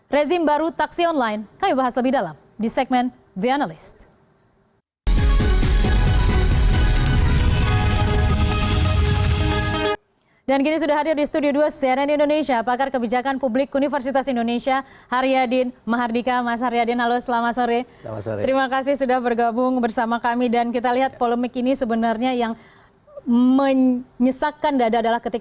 rezim baru taksi online kami bahas lebih dalam di segmen the analyst